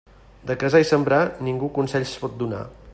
De casar i sembrar, ningú consells pot donar.